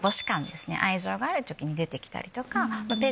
愛情がある時に出て来たりとか。